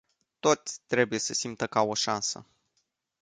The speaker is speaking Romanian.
Toți trebuie să simtă că au o șansă.